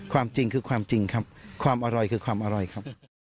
ความจริงคือความจริงครับ